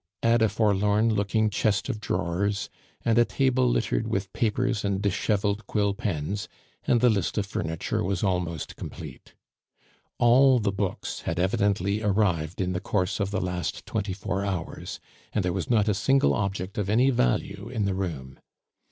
Add a forlorn looking chest of drawers, and a table littered with papers and disheveled quill pens, and the list of furniture was almost complete. All the books had evidently arrived in the course of the last twenty four hours; and there was not a single object of any value in the room.